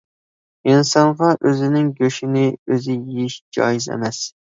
ئىنسانغا ئۆزىنىڭ گۆشىنى ئۆزى يېيىش جايىز ئەمەس.